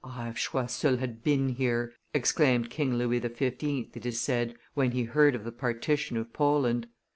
if Choiseul had been here!" exclaimed King Louis XV., it is said, when he heard of the partition of Poland.